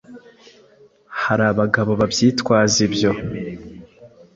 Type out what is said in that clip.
hari abagabo babyitwaza ibyo